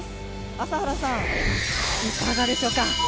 朝原さんいかがでしょうか？